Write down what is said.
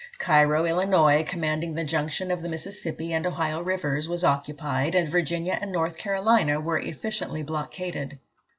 Cairo, Illinois, commanding the junction of the Mississippi and Ohio rivers, was occupied, and Virginia and North Carolina were efficiently blockaded.